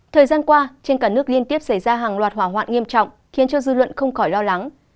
thời gian qua trên cả nước liên tiếp xảy ra hàng loạt hỏa hoạn nghiêm trọng khiến cho dư luận không khỏi lo lắng